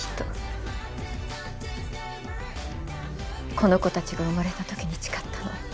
この子たちが生まれたときに誓ったの。